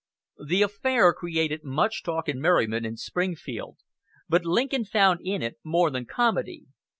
The affair created much talk and merriment in Springfield, but Lincoln found in it more than comedy.